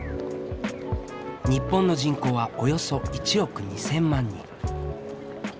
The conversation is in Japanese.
日本の人口はおよそ１億２，０００万人。